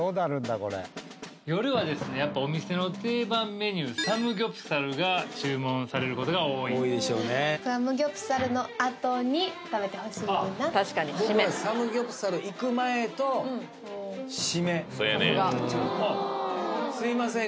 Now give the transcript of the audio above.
これ夜はですねやっぱお店の定番メニューサムギョプサルが注文されることが多いサムギョプサルのあとに食べてほしいな僕はサムギョプサルいく前とシメうん！